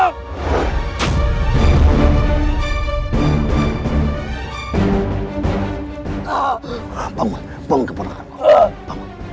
pak mu pak mu kepadamu